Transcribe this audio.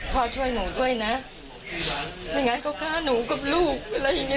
พ่อช่วยหนูด้วยนะไม่งั้นก็ฆ่าหนูกับลูกอะไรอย่างเงี้